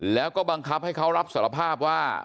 แล้วก็บังคับให้เขารับสารภาพว่า